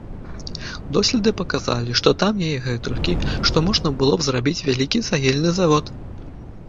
Доследы паказалі, што там яе гэтулькі, што можна было б зрабіць вялікі цагельны завод.